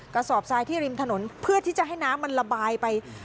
กระสอบทรายที่ริมถนนเพื่อที่จะให้น้ำมันระบายไป